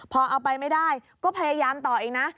พอเอาไปไม่ได้ก็พยายามต่ออีกนะ